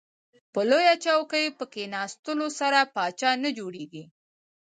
په لویه چوکۍ په کیناستلو سره پاچا نه جوړیږئ.